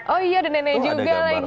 oh iya udah nenek juga lagi